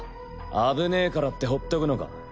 危ねえからって放っとくのか？